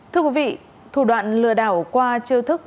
thưa quý vị thủ đoạn lừa đảo qua chiêu thức